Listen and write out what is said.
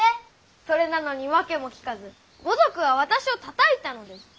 それなのに訳も聞かず五徳は私をたたいたのです。